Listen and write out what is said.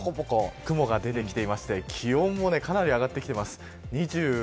雲が出てきていまして気温もかなり上がってきています。